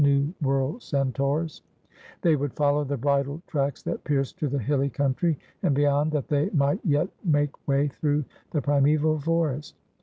New World centaurs. They would follow the bridle tracks that pierced to the hilly country, and beyond that they might yet make way through the primeval forest.